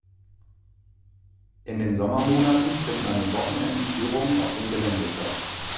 In den Sommermonaten finden an den Wochenenden Führungen auf dem Gelände statt.